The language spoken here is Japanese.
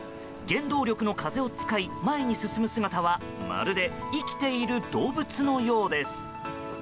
原動力の風を使い前の進む姿はまるで生きている動物のようです。